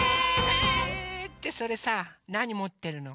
ってそれさなにもってるの？